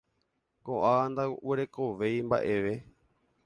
Ko'ág̃a ndaguerekovéi mba'eve.